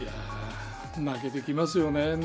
泣けてきますよね。